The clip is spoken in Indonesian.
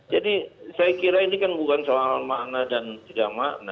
jadi saya kira ini kan bukan soal makna dan tidak makna